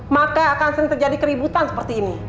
maka akan sering terjadi keributan seperti ini